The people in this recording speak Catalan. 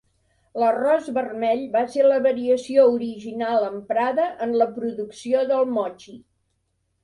L'arròs vermell va ser la variació original emprada en la producció del mochi.